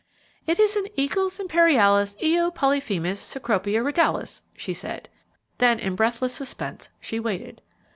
"It is an Eacles Imperialis Io Polyphemus Cecropia Regalis," she said. Then in breathless suspense she waited.